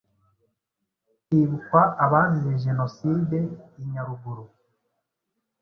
hibukwa abazize jenoside inyaruguru